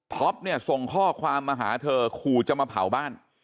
เนี่ยส่งข้อความมาหาเธอขู่จะมาเผาบ้าน